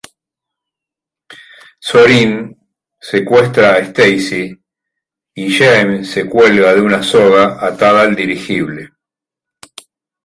Zorin secuestra a Stacy y James se cuelga de una soga atada al dirigible.